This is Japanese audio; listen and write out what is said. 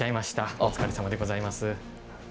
お疲れさまでございます。